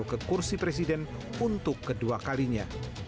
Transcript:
jokowi dodo ke kursi presiden untuk kedua kalinya